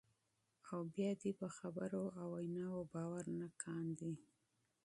او بیا دې په خبرو او ویناوو باور نه کاندي،